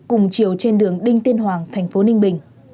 cùng chiều trên đường đinh tiên hoàng thành phố ninh bình